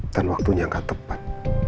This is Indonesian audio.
dan waktunya gak tepat